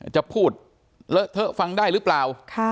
จะพูดเธอฟังได้หรือเปล่า